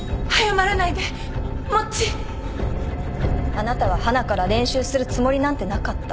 あなたははなから練習するつもりなんてなかった。